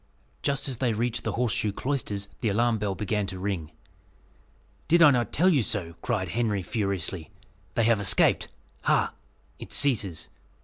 Just as they reached the Horseshoe Cloisters, the alarm bell began to ring. "Did I not tell you so?" cried Henry furiously; "they have escaped. Ha! it ceases!